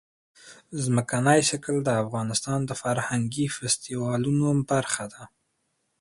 ځمکنی شکل د افغانستان د فرهنګي فستیوالونو برخه ده.